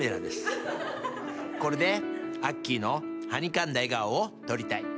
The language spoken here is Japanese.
これであっきーのはにかんだ笑顔を撮りたい。